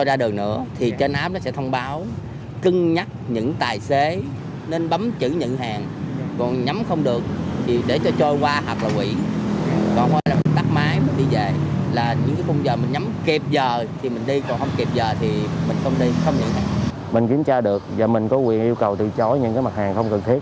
mình kiểm tra được và mình có quyền yêu cầu từ chối những mặt hàng không cần thiết